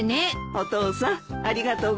お父さんありがとうございます。